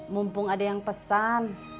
mumpung ada yang pesan